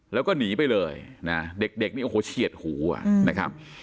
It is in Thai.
แล้วก็หนีไปเลยนะเด็กนี่โอ้โหเฉียดหูอ่ะนะครับ